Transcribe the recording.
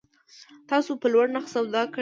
تاسو په لوړ نرخ سودا کړی